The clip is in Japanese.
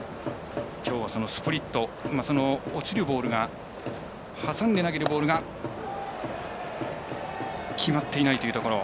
きょうはそのスプリット、落ちるボールが挟んで投げるボールが決まっていないというところ。